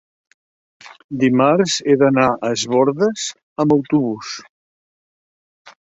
dimarts he d'anar a Es Bòrdes amb autobús.